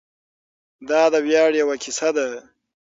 دا د ویاړ یوه کیسه ده.